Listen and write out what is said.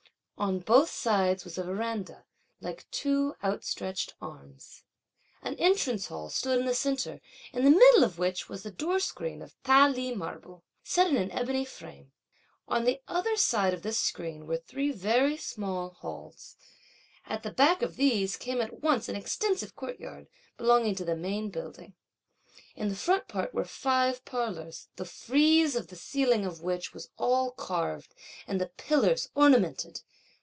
On both sides was a verandah, like two outstretched arms. An Entrance Hall stood in the centre, in the middle of which was a door screen of Ta Li marble, set in an ebony frame. On the other side of this screen were three very small halls. At the back of these came at once an extensive courtyard, belonging to the main building. In the front part were five parlours, the frieze of the ceiling of which was all carved, and the pillars ornamented.